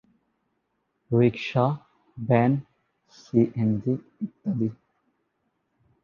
রিক্সা, van, C, N, G, ইত্যাদি।